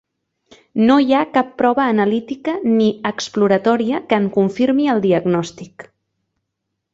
No hi ha cap prova analítica ni exploratòria que en confirmi el diagnòstic.